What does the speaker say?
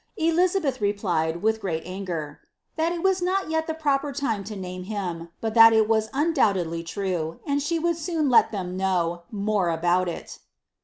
Elizabeth replied, with great anger, ^ that it was not yet the proper time to name him, but that it was undoubtedly true, and she would soon let them know more about it.